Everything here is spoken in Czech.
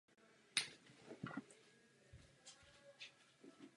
Vesnice tedy byly rozdělené mezi více majitelů.